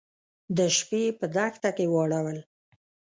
د شپې يې په دښته کې واړول.